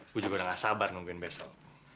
gue juga udah enggak sabar nungguin besok